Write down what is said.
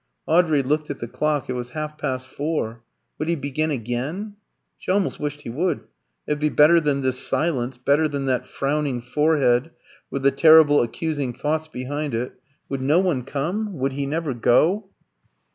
Audrey looked at the clock; it was half past four. Would he begin again? She almost wished he would; it would be better than this silence better than that frowning forehead, with the terrible accusing thoughts behind it. Would no one come? Would he never go?